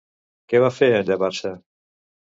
Què va fer, en llevar-se?